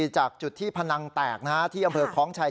จากจุดที่พะนังแตกที่บริเวณอำเภอคอลไชย